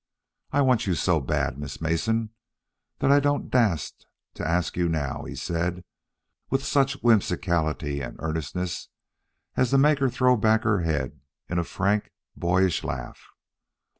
"I want you so bad, Miss Mason, that I don't dast to ask you now," he said, with such whimsicality and earnestness as to make her throw her head back in a frank boyish laugh.